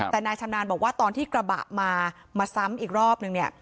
แต่นายชำนาญบอกว่าตอนที่กระบะมามาซ้ำอีกรอบนึงเนี่ย